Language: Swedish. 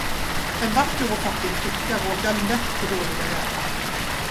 En vacker och fattig flicka råkar lätt på dåliga vägar.